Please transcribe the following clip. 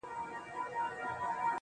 هغه په ژړا ستغ دی چي يې هيڅ نه ژړل.